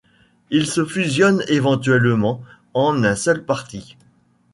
Ils se fusionnent éventuellement en un seul parti.